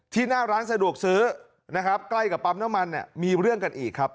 หน้าร้านสะดวกซื้อนะครับใกล้กับปั๊มน้ำมันเนี่ยมีเรื่องกันอีกครับ